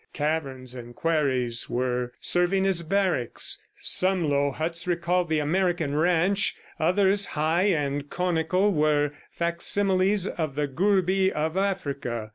Caverns and quarries were serving as barracks. Some low huts recalled the American ranch; others, high and conical, were facsimiles of the gurbi of Africa.